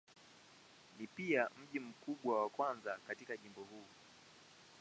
Ni pia mji mkubwa wa kwanza katika jimbo huu.